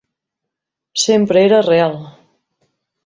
Sempre era "real".